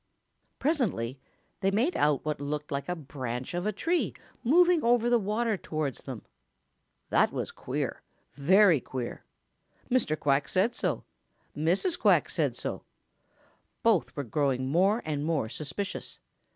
Presently they made out what looked like the branch of a tree moving over the water towards them. That was queer, very queer. Mr. Quack said so. Mrs. Quack said so. Both were growing more and more suspicious.